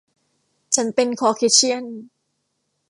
ฉันเป็นคอร์เคเชี่ยน